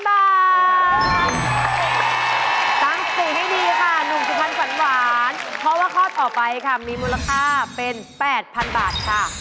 ตั้งสิ่งให้ดีค่ะหนุ่ม๑๐๐๐๐ผัญวางเพราะว่าข้อต่อไปค่ะมีมูลค่าเป็น๘๐๐๐บาทค่ะ